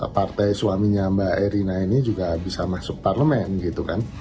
partai suaminya mbak erina ini juga bisa masuk parlemen gitu kan